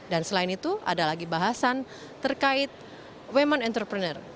dan selain itu ada lagi bahasan terkait women entrepreneur